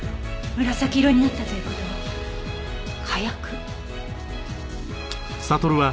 紫色になったという事は火薬？